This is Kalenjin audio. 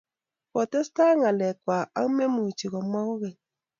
kotestai ak ngalek kwak ak memuchi komwak kogeny